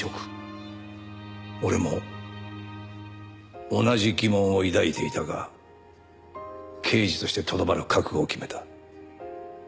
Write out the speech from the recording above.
俺も同じ疑問を抱いていたが刑事としてとどまる覚悟を決めた。